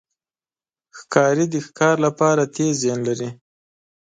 ښکاري د ښکار لپاره تېز ذهن لري.